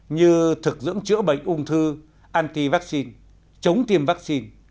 như thực dưỡng chữa bệnh ung thư anti vaccine chống tiêm vaccine